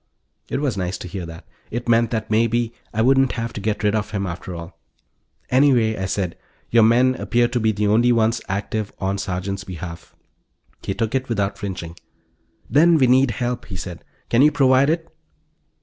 It was nice to hear that; it meant that, maybe, I wouldn't have to get rid of him after all. "Anyway," I said, "your men appear to be the only ones active on Sergeant's behalf." He took it without flinching. "Then we need help," he said. "Can you provide it?"